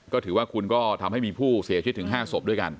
ก็ถือว่าคุณก็ทำให้มีผู้เสียชีวิตถึง๕ศพด้วยกัน